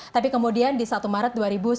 tapi kemudian di satu maret dua ribu sembilan belas